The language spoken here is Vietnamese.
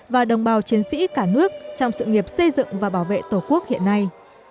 và đồng bào chiến sĩ cả nước trong sự nghiệp xây dựng và bảo vệ tổ quốc hiện nay